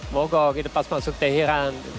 mogok pas masuk teheran